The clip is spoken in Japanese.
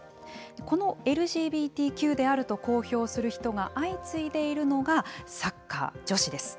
このＬＧＢＴＱであると公表する人が相次いでいるのがサッカー女子です。